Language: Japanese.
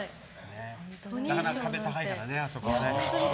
なかなか壁高いからね、あそこはね。